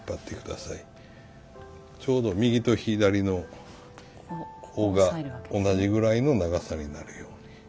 ちょうど右と左の緒が同じぐらいの長さになるように。